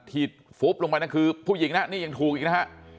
ที่ฟุ๊บลงไปนั่นคือผู้หญิงนะนี่ยังถูกอีกนะฮะ